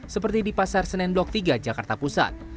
seperti di pasar senendok tiga jakarta pusat